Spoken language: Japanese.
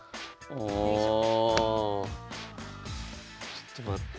ちょっと待って。